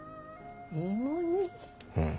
うん。